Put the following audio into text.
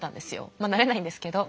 まあなれないんですけど。